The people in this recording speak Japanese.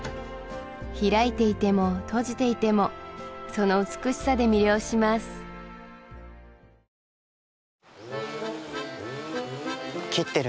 開いていても閉じていてもその美しさで魅了します鈴木さーん！